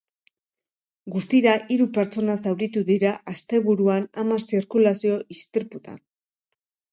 Guztira, hiru pertsona zauritu dira asteburuan hamar zirkulazio istriputan.